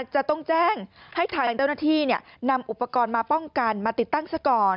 จะต้องแจ้งให้ทางกฟนำอุปกรณ์มาป้องกันมาติดตั้งซะก่อน